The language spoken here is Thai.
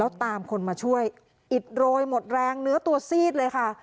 แล้วตามคนมาช่วยอิดโรยหมดแรงเนื้อตัวซีดเลยค่ะ